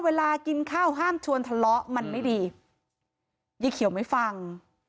เวลากินข้าวห้ามชวนทะเลาะมันไม่ดียายเขียวไม่ฟัง